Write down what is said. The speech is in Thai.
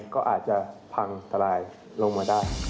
ก็อาจจะพังทลายลงมาได้